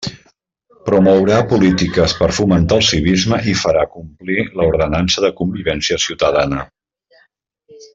Promourà polítiques per fomentar el civisme i farà complir l'ordenança de convivència ciutadana.